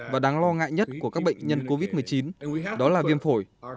và đáng lo ngại nhất của các bệnh nhân covid một mươi chín đó là viêm phổi